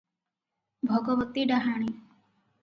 ଭଗବତୀ ଡାହାଣୀ?